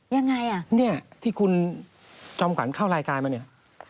ยังไงอ่ะเนี่ยที่คุณจอมขวัญเข้ารายการมาเนี่ย